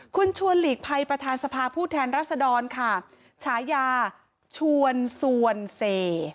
คุณชวนหลีกภัยประธานสภาผู้แทนรัศดรค่ะฉายาชวนสวนเส